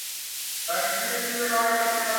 আজকে দেয়াল, কালকে ছাদ, পরের দিন সিঁড়ি।